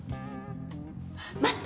待って！